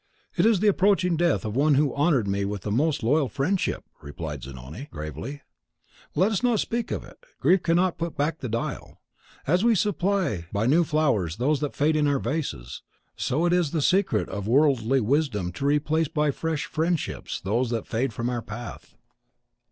"It is the approaching death of one who honoured me with most loyal friendship," replied Zanoni, gravely. "Let us not speak of it; grief cannot put back the dial. As we supply by new flowers those that fade in our vases, so it is the secret of worldly wisdom to replace by fresh friendships those that fade from our path."